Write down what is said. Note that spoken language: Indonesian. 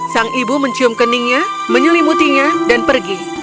sang ibu mencium keningnya menyelimutinya dan pergi